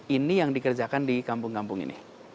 ini yang dikerjakan di kampung kampung ini